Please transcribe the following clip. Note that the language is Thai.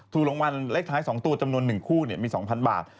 ถูกรางวัลเลขท้าย๒ตัวจำนวน๑คู่มี๒๐๐บาท